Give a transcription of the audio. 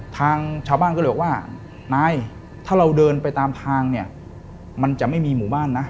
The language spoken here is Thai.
ทางชาวบ้านก็เลยบอกว่านายถ้าเราเดินไปตามทางเนี่ยมันจะไม่มีหมู่บ้านนะ